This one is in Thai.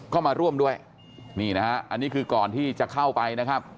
ก็มาร่วมด้วยนี่นะฮะอันนี้คือก่อนที่จะเข้าไปนะครับ